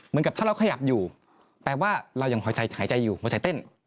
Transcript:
เหมือนกับถ้าเราขยับอยู่แปลว่าเรายังหายใจอยู่หัวใจเต้น